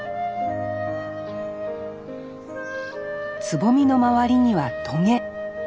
つぼみの周りにはトゲ。